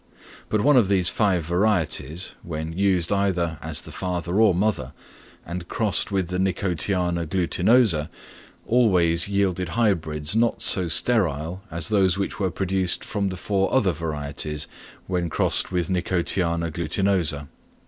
But one of these five varieties, when used either as the father or mother, and crossed with the Nicotiana glutinosa, always yielded hybrids not so sterile as those which were produced from the four other varieties when crossed with N. glutinosa.